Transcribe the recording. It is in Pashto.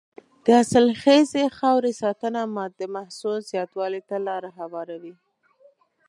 د حاصلخیزې خاورې ساتنه د محصول زیاتوالي ته لاره هواروي.